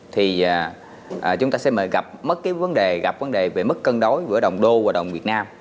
thì chúng ta sẽ gặp vấn đề về mức cân đối giữa đồng đô và đồng việt nam